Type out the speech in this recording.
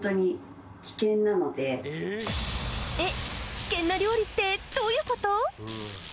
危険な料理ってどういうこと？